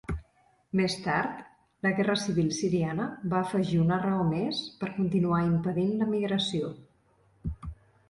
Més tard, la guerra civil siriana va afegir una raó més per continuar impedint la migració.